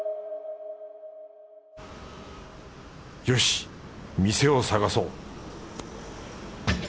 よし店を探そう